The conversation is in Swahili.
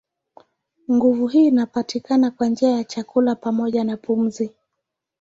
Nguvu hii inapatikana kwa njia ya chakula pamoja na pumzi.